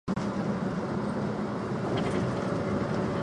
东吴骑都尉虞翻之孙。